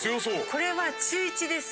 これは中１です。